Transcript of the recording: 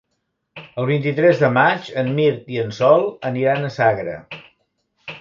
El vint-i-tres de maig en Mirt i en Sol aniran a Sagra.